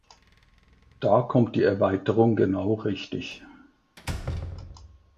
Da kommt die Erweiterung genau richtig.